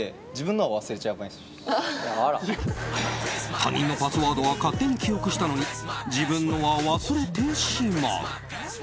他人のパスワードは勝手に記憶したのに自分のは忘れてしまう。